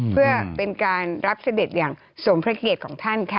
เพื่อเป็นการรับเสด็จอย่างสมพระเกียรติของท่านค่ะ